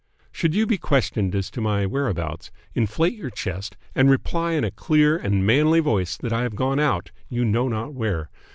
Should you be questioned as to my whereabouts, inflate your chest and reply in a clear and manly voice that I have gone out, you know not where.